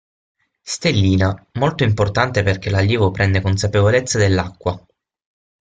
Stellina: molto importante perché l'allievo prende consapevolezza dell'acqua.